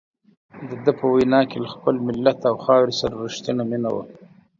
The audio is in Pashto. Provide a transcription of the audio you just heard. دده په وینا کې له خپل ملت او خاورې سره رښتیني مینه وه.